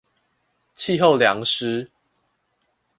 氣候涼溼